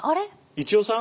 一葉さん？